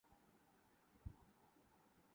میں نے اسے ایک ہفتے سے دیکھا نہیں۔